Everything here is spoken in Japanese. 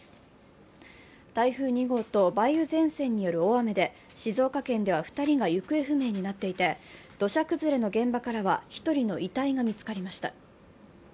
台風２号と梅雨前線による大雨で静岡県では２人が行方不明になっていて、土砂崩れの現場からは１人の遺体が見つかりました。